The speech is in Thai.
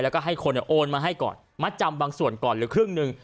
แล้วก็ให้คนโอนมาให้ก่อนมัดจำบางส่วนก่อนหรือครึ่งหนึ่ง